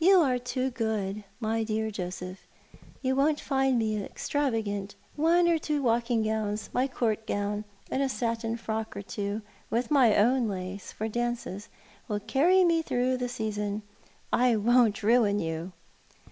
"You are too good, my dear Joseph. You won't find me extravagant. One or two walking gowns, my court gown, and a satin frock or so, with my own lace, for dances, will carry me through the season. I won't ruin you."